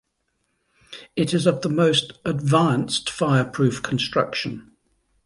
It is of the most advanced fireproof construction...